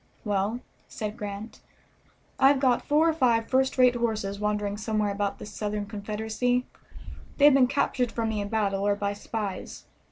"Well," said Grant, "I have got four or five first rate horses wandering somewhere about the Southern Confederacy. They have been captured from me in battle or by spies.